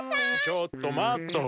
ちょっと待っと！